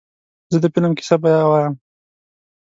زه د فلم کیسه بیا وایم.